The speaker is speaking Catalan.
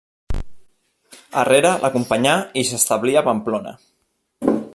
Herrera l'acompanyà i s'establí a Pamplona.